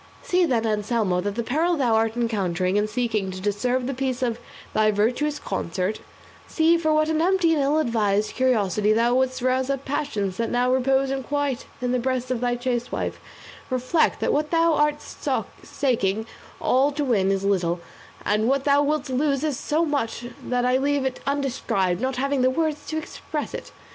See, then, Anselmo, the peril thou art encountering in seeking to disturb the peace of thy virtuous consort; see for what an empty and ill advised curiosity thou wouldst rouse up passions that now repose in quiet in the breast of thy chaste wife; reflect that what thou art staking all to win is little, and what thou wilt lose so much that I leave it undescribed, not having the words to express it.